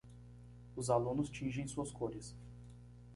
Os alunos tingem suas cores.